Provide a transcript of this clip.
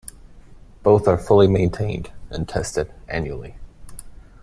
Both are fully maintained and tested annually.